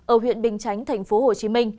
ở huyện bình chánh tp hcm